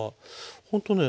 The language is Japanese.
ほんとね